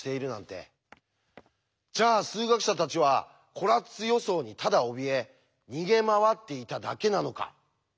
じゃあ数学者たちはコラッツ予想にただおびえ逃げ回っていただけなのか。